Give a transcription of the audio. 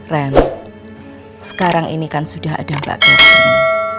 ren sekarang ini kan sudah ada mbak putri